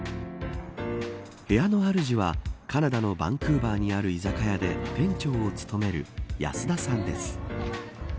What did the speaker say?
部屋の主はカナダのバンクーバーにある居酒屋で店長を務める安田さんです。